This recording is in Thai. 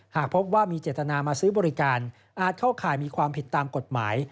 หากพบว่ามีเจตนามาซื้อบริการอาจเข้าข่ายมีความผิดตามกฎหมาย